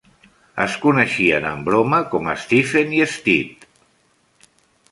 Es coneixien, en broma, com a Stephen i Stitt.